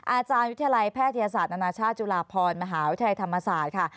อาจารย์วิทยาลัยแพทยศาสตร์นานาชาติจุฬาพรมหาวิทยาลัยธรรมศาสตร์ค่ะ